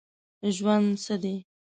ژوند څه دی ؟